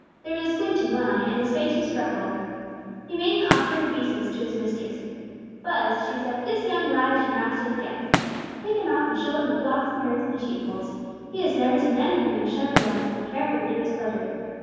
There was a squint in one eye, and his face was freckled. He made an awkward obeisance to his mistress. "Buz," she said, "this young lad is your master's guest. Take him out and show him the flocks and herds, and the sheep folds. He has never seen anything of shepherd life, so be careful to do his pleasure.